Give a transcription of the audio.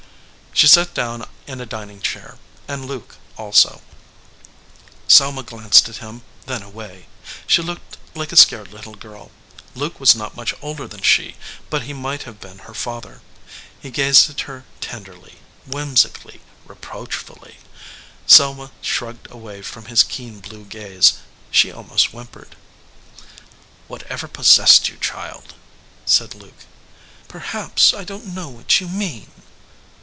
She sat down in a dining chair, and Luke also. 164 THE LIAR Selma glanced at him, then away again. She looked like a scared little girl. Luke was not much older than she, but he might have been her father. He gazed at her tenderly, whimsically, reproach fully. Selma shrugged away from his keen blue gaze ; she almost whimpered. "Whatever possessed you, child?" said Luke. "Perhaps I don t know what you mean."